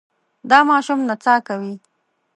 دا ماشوم نڅا کوي.